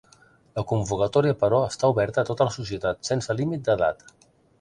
La convocatòria, però, està oberta a tota la societat, sense límit d’edat.